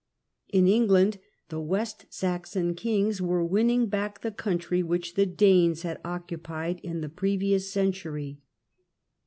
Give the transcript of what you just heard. In England, the West Saxon kings were winning back the country which the Danes had occupied in the previous century.